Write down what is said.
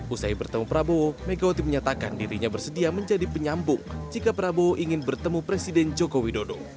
usai bertemu prabowo megawati menyatakan dirinya bersedia menjadi penyambung jika prabowo ingin bertemu presiden joko widodo